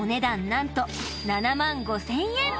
なんと７万５０００円